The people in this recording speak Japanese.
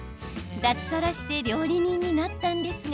脱サラして料理人になったんですが。